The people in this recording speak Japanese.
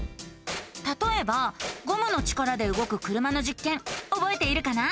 たとえばゴムの力でうごく車のじっけんおぼえているかな？